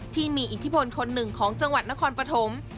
ที่มีอิทธิพลคนหนึ่งของจังหวัดนครปฐม